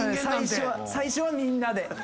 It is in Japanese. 最初は最初はみんなで。